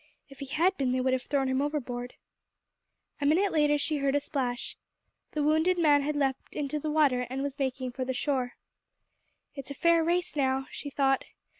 "If he had been, they would have thrown him overboard." A minute later she heard a splash. The wounded man had leapt into the water, and was making for the shore. "It is a fair race now," she thought.